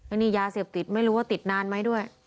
อันนี้ยาเสพติดไม่รู้ว่าติดนานไหมด้วย